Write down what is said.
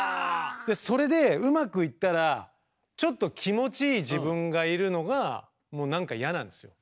でそれでうまくいったらちょっと気持ちいい自分がいるのがもう何か嫌なんですよ。